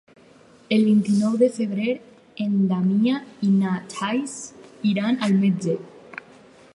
El vint-i-nou de febrer en Damià i na Thaís iran al metge.